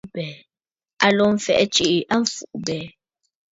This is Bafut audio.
Aa lǒ fɛ̀ʼ̀ɛ̀ tsiʼi a mfuʼubɛ̀ɛ̀.